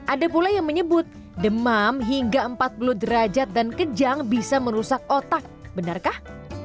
ada pula yang menyebut demam hingga empat puluh derajat dan kejang bisa merusak otak benarkah